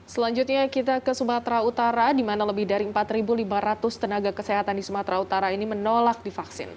selanjutnya kita ke sumatera utara di mana lebih dari empat lima ratus tenaga kesehatan di sumatera utara ini menolak divaksin